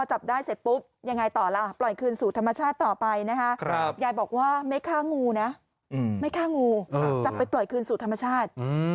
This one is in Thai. จับไปปล่อยคืนสูตรธรรมชาติ